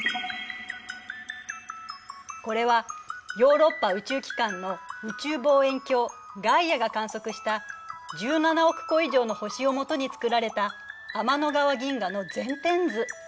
これはヨーロッパ宇宙機関の宇宙望遠鏡ガイアが観測した１７億個以上の星をもとに作られた天の川銀河の全天図。